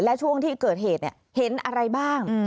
และช่วงที่เกิดเหตุเห็นอะไรบ้าง